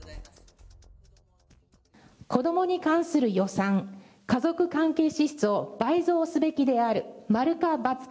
子どもに関する予算、家族関係支出を倍増すべきである、〇か×か？